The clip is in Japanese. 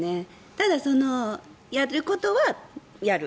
ただ、やることはやる